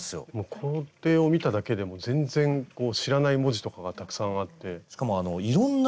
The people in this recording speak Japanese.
工程を見ただけでも全然知らない文字とかがたくさんあって。ね？